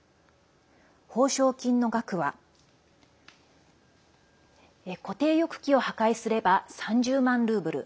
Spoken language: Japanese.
報奨金の額は固定翼機を破壊すれば３０万ルーブル。